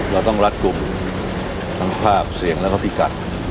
เราต้องรัดกลุ่มทั้งภาพเสียงแล้วก็พิกัด